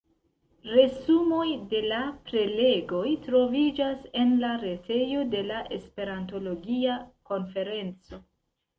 Resumoj de la prelegoj troviĝas en la retejo de la Esperantologia konferenco.